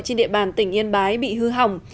trên địa bàn tỉnh yên bái bị hư hỏng